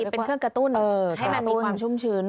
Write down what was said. เป็นเครื่องกระตุ้นให้มันมีความชุ่มชื้น